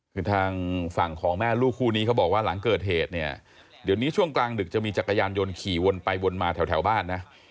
คือทางฝั่งของแม่ลูกคู่นี้เขาบอกว่าหลังเกิดเหตุเนี่ยเดี๋ยวนี้ช่วงกลางดึกจะมีจักรยานยนต์ขี่วนไปวนมาแถวบ้านนะ